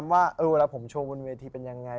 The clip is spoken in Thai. แบบว่าให้ผมช่วยอย่างไร